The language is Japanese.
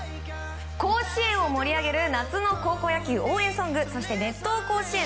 甲子園を盛り上げる夏の高校野球応援ソングそして「熱闘甲子園」